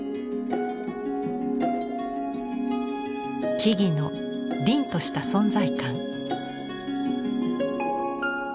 木々の凜とした存在感。